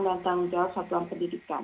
melantang jauh satuan pendidikan